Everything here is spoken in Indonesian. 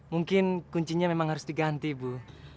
mungkin kuncinya memang harus diganti ibu